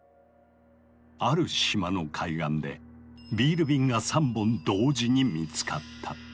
ある島の海岸でビール瓶が３本同時に見つかった。